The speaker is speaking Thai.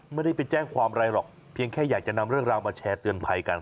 ไม่ได้ไปแจ้งความอะไรหรอกเพียงแค่อยากจะนำเรื่องราวมาแชร์เตือนภัยกัน